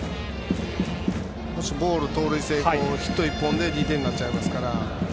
もしボール、盗塁成功ヒット１本で２点になってしまいますから。